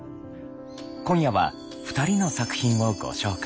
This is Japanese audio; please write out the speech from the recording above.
今夜は２人の作品をご紹介。